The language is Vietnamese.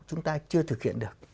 chúng ta chưa thực hiện được